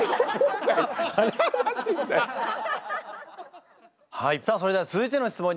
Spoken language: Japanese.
はいさあそれでは続いての質問にまいりたいと思います。